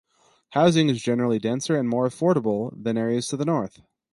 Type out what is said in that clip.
Housing is generally denser and more affordable than areas to the north.